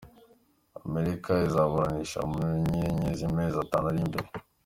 Amerika izaburanisha Munyenyezi mu mezi atanu ari imbere